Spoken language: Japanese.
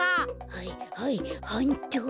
はいはいはんっと。